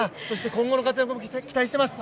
今後の活躍も期待しています。